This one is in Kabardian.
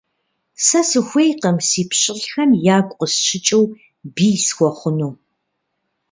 Сэ сыхуейкъым си пщылӀхэм ягу къысщыкӀыу бий схуэхъуну.